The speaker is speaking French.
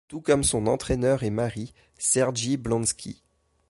Tout comme son entraîneur et mari, Sergyi Blonski.